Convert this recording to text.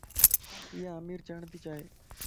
ايا امير ڇڻ تي چائي